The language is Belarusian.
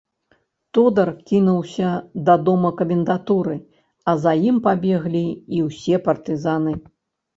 Тодар кінуўся да дома камендатуры, а за ім пабеглі і ўсе партызаны.